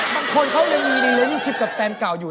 บางคนเขายังมียังมีแล้วยังชิบกับแฟนเก่าอยู่